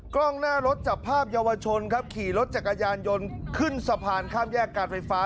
กล้องหน้ารถจับภาพเยาวชนครับขี่รถจักรยานยนต์ขึ้นสะพานข้ามแยกการไฟฟ้า